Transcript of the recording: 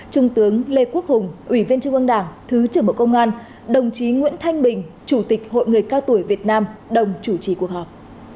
trung tướng lê quốc hùng ủy viên trung ương đảng thứ trưởng bộ công an đồng chí nguyễn thanh bình chủ tịch hội người cao tuổi việt nam đồng chủ trì cuộc họp